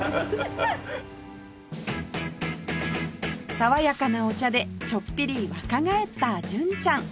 爽やかなお茶でちょっぴり若返った純ちゃん